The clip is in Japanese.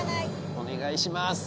お願いします！